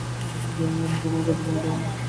জানি না, ইহা কখনও কার্যে পরিণত হইবে কিনা।